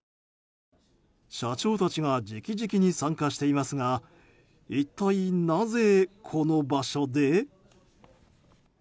社長たちが直々に参加していますが一体なぜこの場所で？